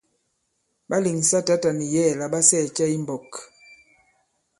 Ɓa lèŋsa tǎta nì yɛ̌ɛ̀ la ɓa sɛɛ̀ cɛ i mbɔ̄k?